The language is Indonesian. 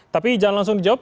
tapi jangan langsung dijawab